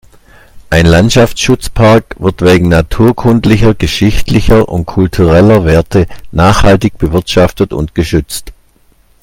Ein Landschaftsschutzpark wird wegen naturkundlicher, geschichtlicher und kultureller Werte nachhaltig bewirtschaftet und geschützt.